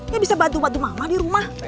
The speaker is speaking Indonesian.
dia bisa bantu bantu mama di rumah